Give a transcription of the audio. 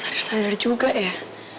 sadar sadar juga ya